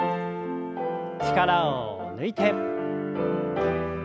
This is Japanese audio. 力を抜いて。